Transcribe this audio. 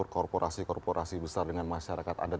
korporasi korporasi besar dengan masyarakat adat